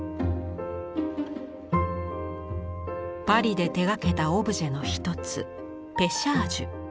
パリで手がけたオブジェの一つ「ペシャージュ」。